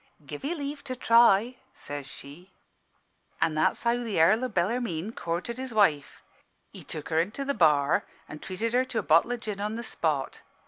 "'Give 'ee leave to try,' says she. "An' that's how th' Earl o' Bellarmine courted his wife. He took her into the bar an' treated her to a bottle o' gin on the spot.